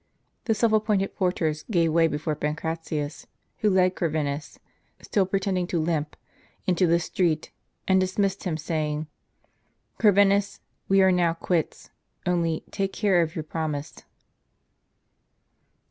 The self appointed porters gave way before Pancratius, who led Corvinus, still pretending to limp, into the street, and dismissed him, saying :" Corvinus, we are now quits ; only, take care of your jDromise."